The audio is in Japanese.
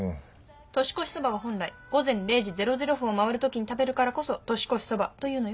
年越しそばは本来午前０時００分を回るときに食べるからこそ年越しそばというのよ。